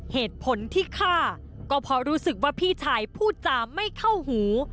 เหตุผลที่ฆ่าก็เพราะรู้สึกว่าพี่ชายพูดจาไม่เข้าหู